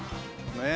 ねえ。